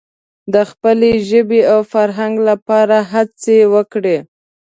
د خپلې ژبې او فرهنګ لپاره هڅې وکړي.